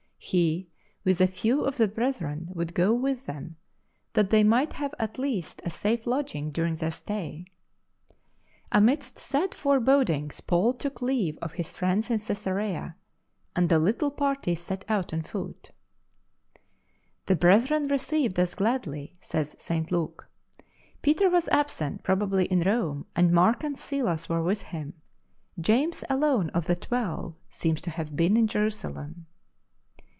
He, with a few of the brethren, would go with them, that they might have at least a safe lodging during their stay. Amidst sad forebodings Paul took leave of his friends in Cesarea, and the little party set out on foot. " The brethren received us gladly," says St. Luke. Peter was absent, probably in Rome, and Mark and Silas were with him. James alone of the Twelve seems to have been in Jerusalem.